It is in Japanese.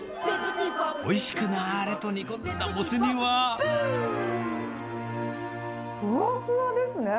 おいしくなーれと煮込んだモふわふわですね。